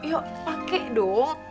ya pake dong